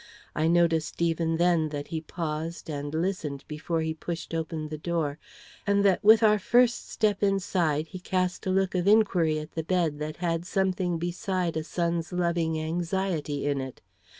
I noticed even then that he paused and listened before he pushed open the door, and that with our first step inside he cast a look of inquiry at the bed that had something beside a son's loving anxiety in it.